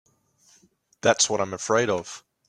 That's what I'm afraid of.